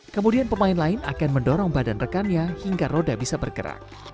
kemudian pemain lain akan mendorong badan rekannya hingga roda bisa bergerak